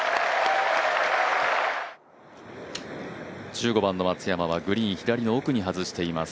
１５番の松山はグリーン左の奥に外しています。